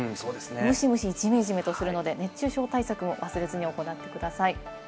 ムシムシ、ジメジメとするので熱中症対策も忘れずに行ってください。